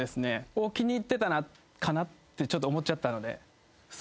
置きにいってたかなってちょっと思っちゃったので。